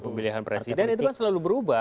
pemilihan presiden itu kan selalu berubah